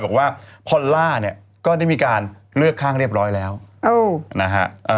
บอกว่าพอลล่าเนี่ยก็ได้มีการเลือกข้างเรียบร้อยแล้วนะฮะ